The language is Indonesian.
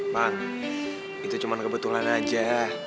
bang itu cuma kebetulan aja